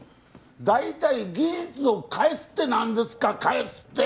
大体技術を返すって何ですか返すって！